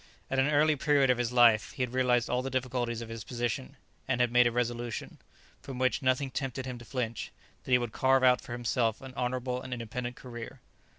At an early period of his life he had realized all the difficulties of his position, and had made a resolution, from which nothing tempted him to flinch, that he would carve out for himself an honourable and independent career.